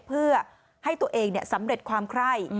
เพื่อให้ตัวเองสำเร็จความไคร่